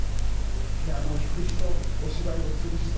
ピアノを弾く人お芝居をする人